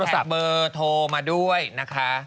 แฮชแท็กเบอร์โทรมาด้วยนะคะ